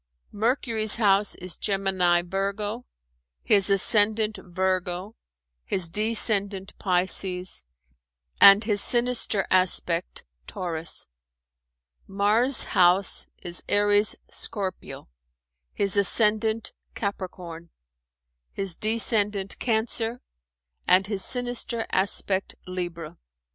Mercury's house is Gemini Virgo, his ascendant Virgo, his descendant Pisces, and his sinister aspect Taurus. Mars' house is Aries Scorpio, his ascendant Capricorn, his descendant Cancer and his sinister aspect Libra."